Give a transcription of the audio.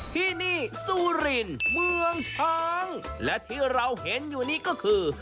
ที่นี่ซูรินเมืองช้างและที่เราเห็นอยู่นี่ก็คือ